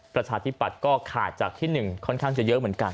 ประชาธิปัตย์ก็ขาดจากที่๑ค่อนข้างจะเยอะเหมือนกัน